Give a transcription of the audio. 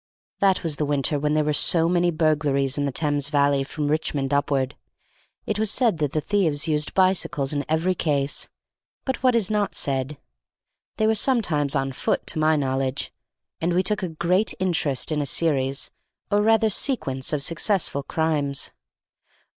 That was the winter when there were so many burglaries in the Thames Valley from Richmond upward. It was said that the thieves used bicycles in every case, but what is not said? They were sometimes on foot to my knowledge, and we took a great interest in the series, or rather sequence of successful crimes.